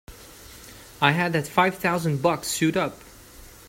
I had that five thousand bucks sewed up!